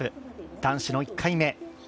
男子の１回目。